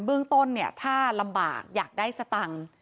เบื้องต้นเนี่ยถ้าลำบากอยากได้สตังค์